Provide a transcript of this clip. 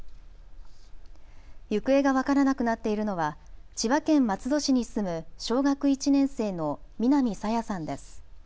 行方が分からなくなっているのは千葉県松戸市に住む小学１年生の南朝芽さんです。